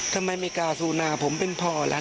ทำไมไมกาสูนาผมเป็นพ่อแล้ว